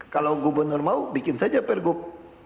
kalau gubernur mau bikin saja per gub